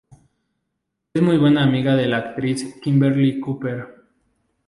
Es muy buena amiga de la actriz Kimberley Cooper.